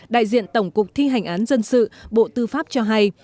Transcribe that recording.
đại diện tổng cục thi hành án dân sự bộ tư pháp cho hay